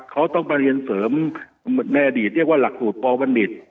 เขาต้องไปเรียนเสริมในอดีตเรียกว่าหลักสูตรปอวัณฑิต